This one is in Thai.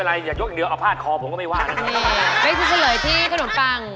เดี๋ยวรอบหน้ายกไปทางฝั่งพิติเลยละคะ